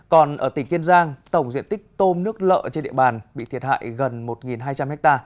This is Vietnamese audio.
còn ở tỉnh kiên giang tổng diện tích tôm nước lợ trên địa bàn bị thiệt hại gần một hai trăm linh ha